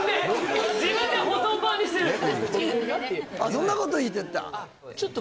そんなこと言ってた？